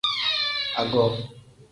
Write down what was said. Ago.